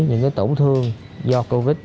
những cái tổn thương do covid